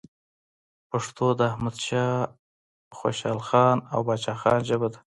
پښتو د احمد شاه خوشحالخان او پاچا خان ژبه ده.